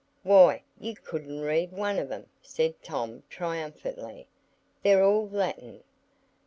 "Why, you couldn't read one of 'em," said Tom, triumphantly. "They're all Latin."